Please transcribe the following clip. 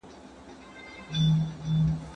¬ زه پور غواړم، ته نور غواړې.